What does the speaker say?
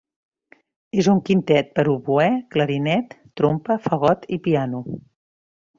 És un quintet per a oboè, clarinet, trompa, fagot i piano.